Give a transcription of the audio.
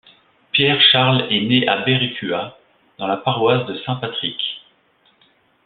Pierre Charles est né à Berekua, dans la paroisse de Saint-Patrick.